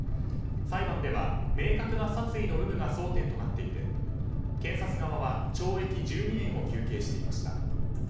裁判では明確な殺意の有無が争点となっていて検察側は懲役１２年を求刑していました。